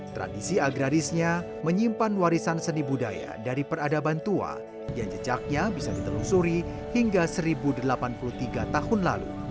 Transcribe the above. tradisi agrarisnya menyimpan warisan seni budaya dari peradaban tua yang jejaknya bisa ditelusuri hingga seribu delapan puluh tiga tahun lalu